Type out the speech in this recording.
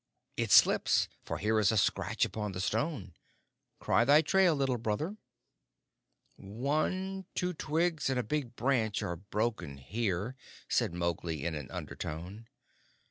It slips, for here is a scratch upon the stone. Cry thy trail, Little Brother." "One, two twigs and a big branch are broken here," said Mowgli, in an undertone.